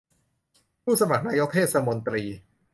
ผู้สมัครนายกเทศมนตรี